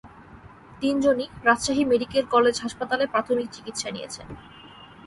তিনজনই Rajshahi medical college হাসপাতালে প্রাথমিক চিকিৎসা নিয়েছেন।